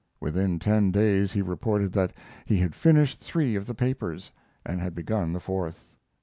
Within ten days he reported that he had finished three of the papers, and had begun the fourth.